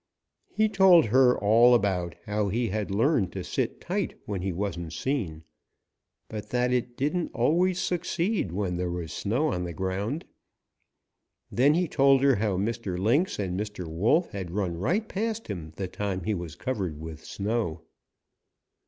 He told her all about how he had learned to sit tight when he wasn't seen, but that it didn't always succeed when there was snow on the ground. Then he told her how Mr. Lynx and Mr. Wolf had run right past him the time he was covered with snow.